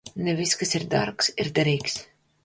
Ne viss, kas ir dārgs, ir derīgs.